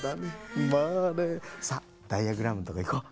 さっダイヤグラムのとこいこう。